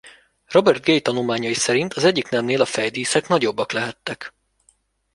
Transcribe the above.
Robert Gay tanulmányai szerint az egyik nemnél a fejdíszek nagyobbak lehettek.